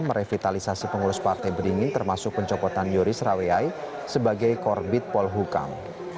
merevitalisasi pengurus partai berdingin termasuk pencokotan yoris rawiay sebagai korbit polhukam